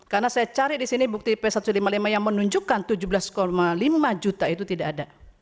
karena saya cari di sini bukti p satu ratus lima puluh lima yang menunjukkan tujuh belas lima juta itu tidak ada